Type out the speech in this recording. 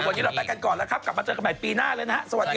วันนี้เราไปกันก่อนแล้วครับกลับมาเจอกันใหม่ปีหน้าเลยนะฮะสวัสดี